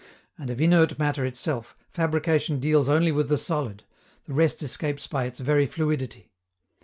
And of inert matter itself, fabrication deals only with the solid; the rest escapes by its very fluidity.